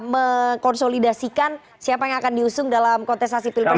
mengkonsolidasikan siapa yang akan diusung dalam kontestasi pilpres